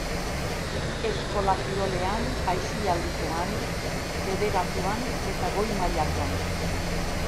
Eskola kirolean, aisialdikoan, federatuan eta goi-mailakoan.